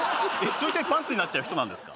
ちょいちょいパンツになっちゃう人なんですか？